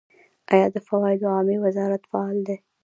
آیا د فواید عامې وزارت فعال دی؟